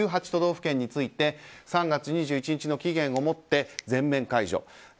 都道府県について３月２１日の期限をもって全面解除。